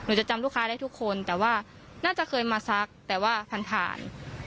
จะจำลูกค้าได้ทุกคนแต่ว่าน่าจะเคยมาซักแต่ว่าผ่านผ่าน